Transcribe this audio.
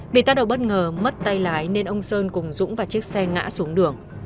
bị tác động bất ngờ mất tay lái nên ông sơn cùng dũng và chiếc xe ngã xuống đường